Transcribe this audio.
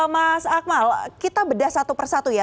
mas akmal kita bedah satu persatu ya